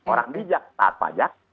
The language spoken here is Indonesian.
orang bijak saat pajak